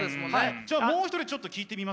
じゃあもう一人ちょっと聞いてみます？